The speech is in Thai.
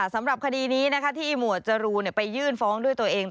สำหรับคดีนี้ที่หมวดจรูนไปยื่นฟ้องด้วยตัวเอง